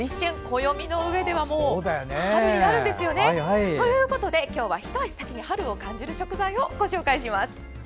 暦の上ではもう春になるんですよね。ということで、今日は一足先に春を感じる食材をご紹介します。